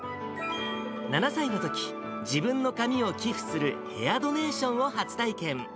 ７歳のとき、自分の髪を寄付するヘアドネーションを初体験。